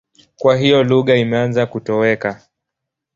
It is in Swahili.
Kwa hiyo lugha imeanza kutoweka.